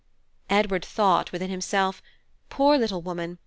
Edward thought within himself, Poor little woman!